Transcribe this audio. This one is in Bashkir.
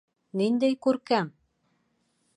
Ниндәй күркәм!